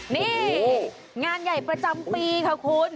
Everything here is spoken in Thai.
นี่งานใหญ่ประจำปีค่ะคุณ